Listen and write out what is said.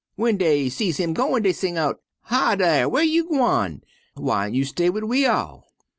W'en dey see him goin' dey sing out: 'Hi, dar! Whar you gwine? Whyn't you stay wid we all?'